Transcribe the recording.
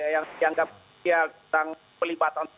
yang dianggap pelibatan